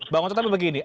pak otos tapi begini